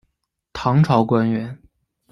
唐朝官员。